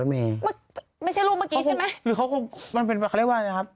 ไม่ใช่รูปเมื่อกี้ใช่มั้ย